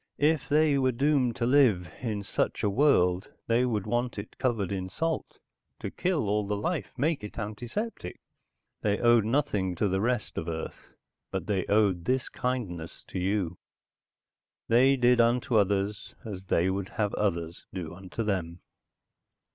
"If they were doomed to live in such a world, they would want it covered in salt, to kill all the life, make it antiseptic. They owed nothing to the rest of Earth, but they owed this kindness to you. They did unto others, as they would have others do unto them."